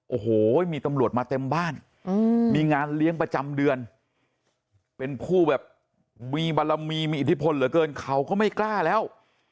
โอ้โหมีตำรวจมาเต็มบ้านมีงานเลี้ยงประจำเดือนเป็นผู้แบบมีบารมีมีอิทธิพลเหลือเกินเขาก็ไม่กล้าแล้ว